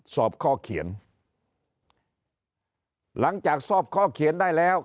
สอบข้อเขียนหลังจากสอบข้อเขียนได้แล้ว